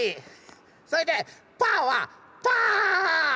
それで「パー」はパー！